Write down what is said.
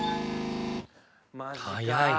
早い！